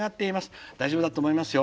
大丈夫だと思いますよ。